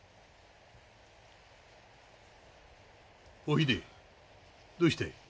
おひでどうしたい？